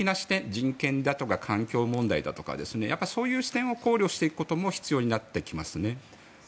人権とか環境問題とかそういう視点を考慮していくことも必要になってきますね。